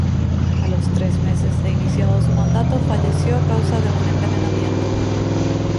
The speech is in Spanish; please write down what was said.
A los tres meses de iniciado su mandato falleció a causa de un envenenamiento.